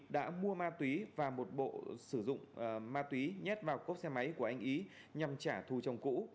đã mua ma túy và một bộ sử dụng ma túy nhét vào cốp xe máy của anh ý nhằm trả thù chồng cũ